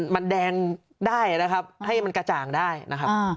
มันแดงได้นะครับให้มันกระจ่างได้นะครับ